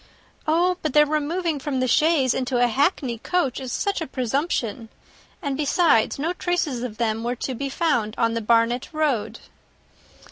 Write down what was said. "Oh, but their removing from the chaise into a hackney coach is such a presumption! And, besides, no traces of them were to be found on the Barnet road."